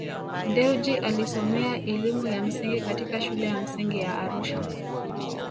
Dewji Alisomea elimu ya msingi katika shule ya msingi ya Arusha